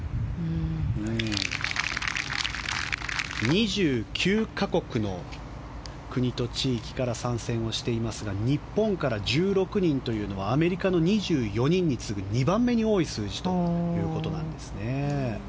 ２９か国の国と地域から参戦していますが日本から１６人というのはアメリカの２４人に次ぐ２番目に多い数字ということです。